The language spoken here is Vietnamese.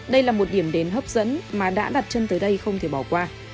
đây là một điểm đến hấp dẫn mà đã đặt chân tới đây không thể bỏ qua